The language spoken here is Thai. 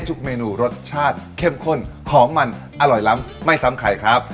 ทุกเมนูรสชาติเข้มข้นของมันอร่อยล้ำไม่ซ้ำใครครับ